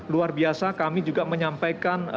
luar biasa kami juga menyampaikan